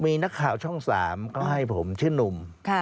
มีนักข่าวช่อง๓ก็ให้ผมชื่อนุ่ม